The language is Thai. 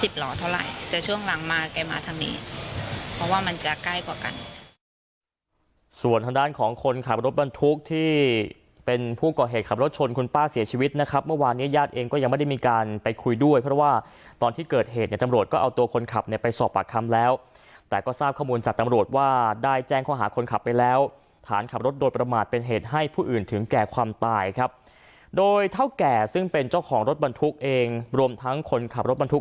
เพราะว่ามันจะใกล้กว่ากันส่วนทางด้านของคนขับรถบรรทุกที่เป็นผู้ก่อเหตุขับรถชนคุณป้าเสียชีวิตนะครับเมื่อวานเนี้ยญาติเองก็ยังไม่ได้มีการไปคุยด้วยเพราะว่าตอนที่เกิดเหตุเนี้ยตำรวจก็เอาตัวคนขับเนี้ยไปสอบปากคำแล้วแต่ก็ทราบข้อมูลจากตำรวจว่าได้แจ้งข้อหาคนขับไปแล้วฐานข